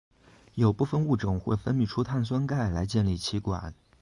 有部分物种会分泌出碳酸钙来建立栖管。